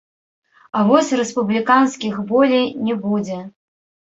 А вось рэспубліканскіх болей не будзе.